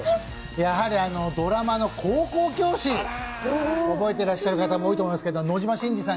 やはりドラマの「高校教師」覚えてらっしゃる方も多いと思いますけれども、野島伸司さん